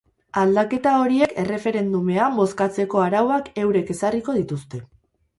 Aldaketa horiek erreferendumean bozkatzeko arauak eurek ezarriko dituzte.